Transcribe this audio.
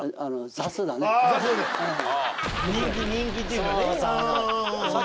人気人気っていうかねああ。